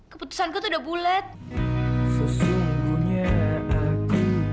keputusan ku tuh udah bulet